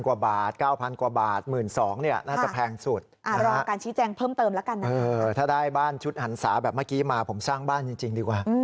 ๗๐๐๐กว่าบาท๙๐๐๐กว่าบาท๑๒๐๐๐บาทนี่น่าจะแพงสุด